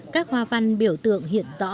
các hoa văn biểu tượng hiện rõ sinh động